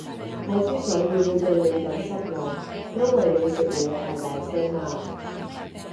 我之所以會對你咁失望，因為你食嘢太大聲喇